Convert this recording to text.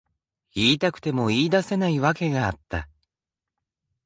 言いたくても言い出せない訳があった。